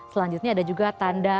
selanjutnya ada juga tentang tengah